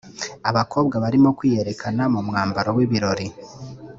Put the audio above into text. Abakobwa barimo kwiyerekana mu mwambaro w’ibirori